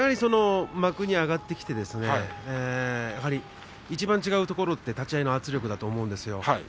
幕に上がってきて一番違うところって立ち合いの圧力だと思うんですよ。